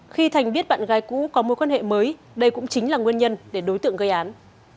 khi thành biết bạn gái cũ có mối quan hệ mới đây cũng chính là nguyên nhân để đối tượng gây án